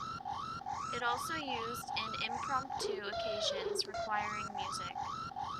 It also used in impromptu occasions requiring music.